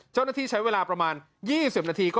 เจ้าหน้าที่ใช้เวลาประมาณ๒๐นาที